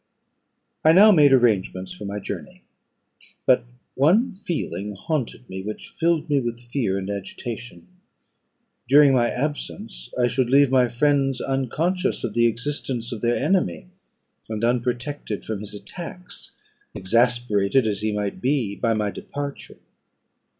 I now made arrangements for my journey; but one feeling haunted me, which filled me with fear and agitation. During my absence I should leave my friends unconscious of the existence of their enemy, and unprotected from his attacks, exasperated as he might be by my departure.